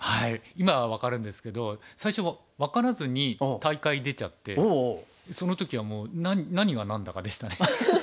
今は分かるんですけど最初分からずに大会出ちゃってその時はもう何が何だかでしたね。